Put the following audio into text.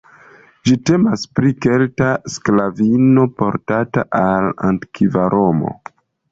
Ĝi temas pri kelta sklavino, portata al antikva Romo.